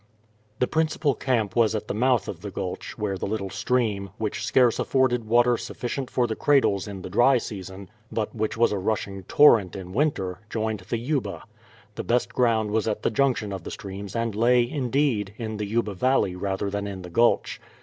The principal camp was at the mouth of the Gulch, where the little stream, which scarce afforded water sufficient for the cradles in the dry season, but which was a rushing torrent in winter, joined the Yuba. The best ground was at the junction of the streams, and lay, indeed, in the Yuba Valley rather than in the Gulch.